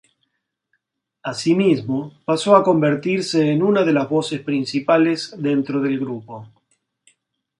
Así mismo paso a convertirse en una de las voces principales dentro del grupo.